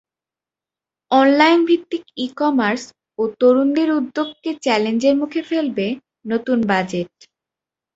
অনলাইনভিত্তিক e commerce ও তরুণদের উদ্যোগকে চ্যালেঞ্জর মুখে ফেলবে নতুন বাজেট।